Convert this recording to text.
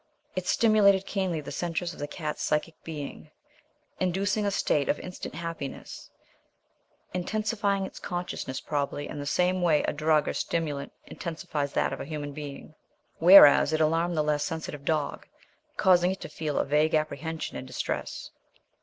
It stimulated keenly the centres of the cat's psychic being, inducing a state of instant happiness (intensifying its consciousness probably in the same way a drug or stimulant intensifies that of a human being); whereas it alarmed the less sensitive dog, causing it to feel a vague apprehension and distress.